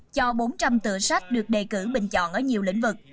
cho bốn trăm linh tựa sách được đề cử bình chọn ở nhiều lĩnh vực